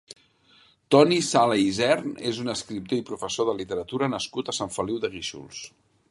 Toni Sala Isern és un escriptor i professor de literatura nascut a Sant Feliu de Guíxols.